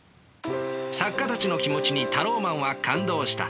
作家たちの気持ちにタローマンは感動した。